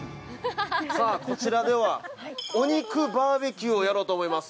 こちらでは、お肉バーベキューをやろうと思います。